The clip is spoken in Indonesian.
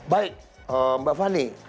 baik mbak fani